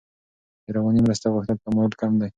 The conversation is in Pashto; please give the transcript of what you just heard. د رواني مرستې غوښتلو تمایل کم دی.